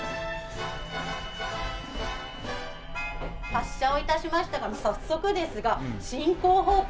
発車を致しましたが早速ですが進行方向